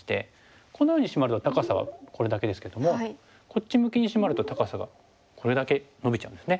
このようにシマると高さはこれだけですけどもこっち向きにシマると高さがこれだけのびちゃうんですね。